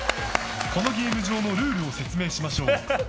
このゲーム上のルールを説明しましょう。